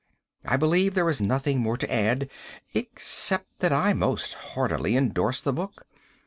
I believe there is nothing more to add, except that I most heartily endorse the book.